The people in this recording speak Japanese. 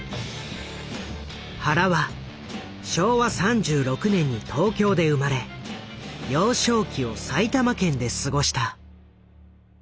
原は昭和３６年に東京で生まれ幼少期を埼玉県で過ごした。